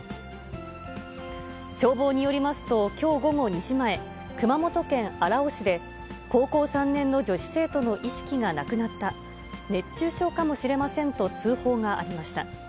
消防によりますと、きょう午後２時前、熊本県荒尾市で、高校３年の女子生徒の意識がなくなった、熱中症かもしれませんと通報がありました。